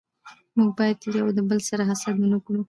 موږ بايد يو دبل سره حسد و نه کړو